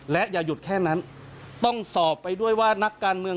และอย่าหยุดแค่นั้นต้องสอบไปด้วยว่านักการเมือง